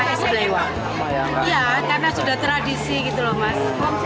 iya karena sudah tradisi gitu loh mas